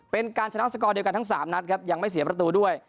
เป็นการชนะสกอร์เดียวกันทั้ง๓นัดครับยังไม่เสียประตูด้วย